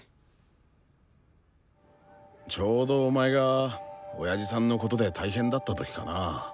ちょうどお前が親父さんのことで大変だった時かな？